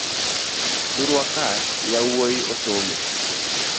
Thurwa ka yawuoi osomo.